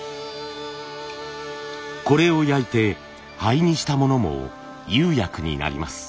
これを焼いて灰にしたものも釉薬になります。